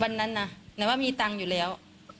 วันนั้นนะแต่ว่ามีตังค์อยู่แล้ว